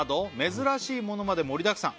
「珍しいものまで盛りだくさん」